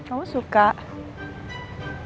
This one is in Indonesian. aku suka bajunya